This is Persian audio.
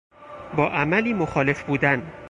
با عملی مخالف بودن